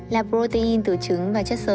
là protein từ trứng và chất sơ